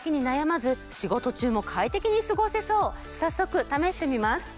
早速試してみます。